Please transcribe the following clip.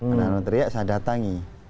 ada orang teriak saya datangi